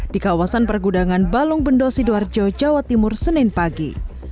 di kawasan pergudangan balong bendosi duarjo jawa timur senin pagi